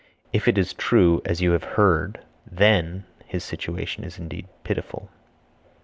If it is true as you have heard (then) his situation is indeed pitiful.